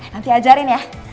nanti ajarin ya